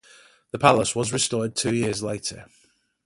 The palace was restored two years later.